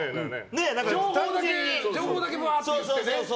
情報だけブワーって言ってね。